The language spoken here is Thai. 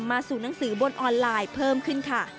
สู่หนังสือบนออนไลน์เพิ่มขึ้นค่ะ